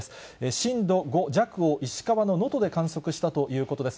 震度５弱を石川の能登で観測したということです。